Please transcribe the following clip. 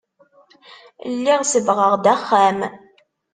Lliɣ sebbɣeɣ-d axxam.